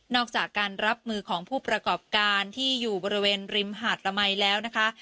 จากการรับมือของผู้ประกอบการที่อยู่บริเวณริมหาดละมัยแล้วนะคะ